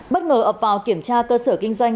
bất ngờ ập vào kiểm tra cơ sở kinh doanh